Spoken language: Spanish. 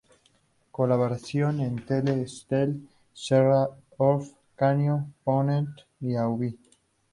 Colaboró en "Tele-Estel", "Serra d'Or", "Canigó", "Ponent" y "Avui".